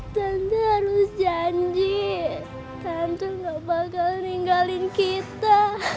tante harus janji tante nggak bakal ninggalin kita